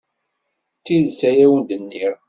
D tidet ay awen-d-nniɣ.